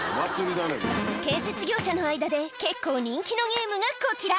建設業者の間で結構人気のゲームがこちら。